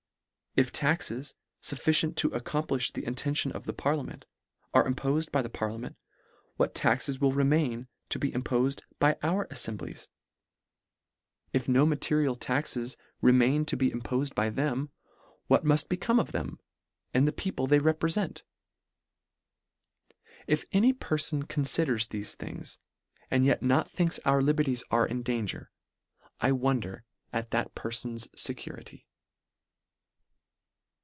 If tax es, Sufficient to accomplish the intention of the Parliament, are impofed by the Parlia ment, what taxes will remain to be impofed by our alfemblies ? If no material taxes re main to be impofed by them, what muft be come of them, and the people they repre fent? 1 " If any perfon confiders, thefe things, (/) Demofthenes's 2d Philippic. LETTER XI. 129 and yet not thinks our liberties are in dan ger, I wonder at that perfon's fecurity."